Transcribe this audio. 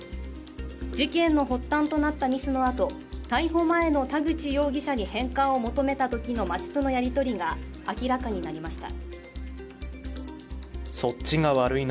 事件の発端となったミスのあと逮捕前の田口容疑者に返還を求めたときの町とのやり取りが明らかになりました。